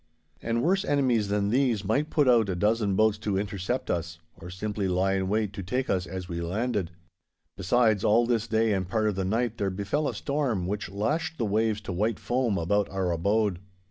And worse enemies than these might put out a dozen boats to intercept us, or simply lie in wait to take us as we landed. Besides, all this day and part of the night there befel a storm which lashed the waves to white foam about our abode.